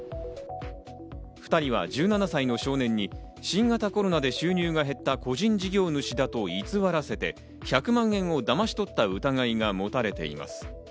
２人は１７歳の少年に新型コロナで収入が減った個人事業主だと偽らせて１００万円をだまし取った疑いが持たれています。